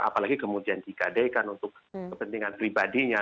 apalagi kemudian dikadekan untuk kepentingan pribadinya